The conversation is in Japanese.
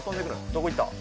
どこ行ったん？